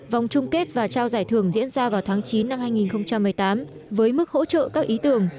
vòng chung kết và trao giải thưởng diễn ra vào tháng chín năm hai nghìn một mươi tám với mức hỗ trợ các ý tưởng